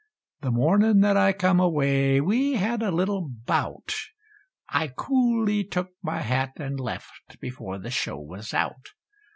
The mornin' that I come away, we had a little bout; I coolly took my hat and left, before the show was out.